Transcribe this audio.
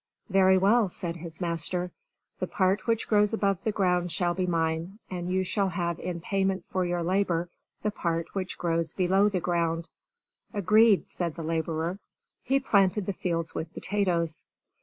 "Very well," said his master. "The part which grows above the ground shall be mine and you shall have in payment for your labor the part which grows below the ground." "Agreed," said the laborer. He planted the fields with potatoes.